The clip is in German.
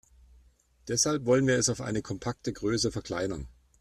Deshalb wollen wir es auf eine kompakte Größe verkleinern.